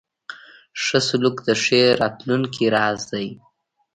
ښه سلوک د ښې راتلونکې راز دی.